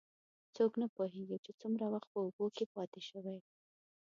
څوک نه پوهېږي، چې څومره وخت په اوبو کې پاتې شوی.